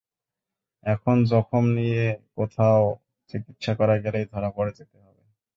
এমন জখম নিয়ে কোথাও চিকিৎসা করা গেলেই ধরা পড়ে যেতে হবে।